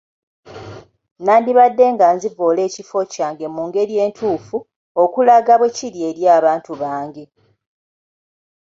Nandibadde nga nzivoola ekifo kyange mu ngeri ntuufu, okulaga bwe kiri eri abantu bange.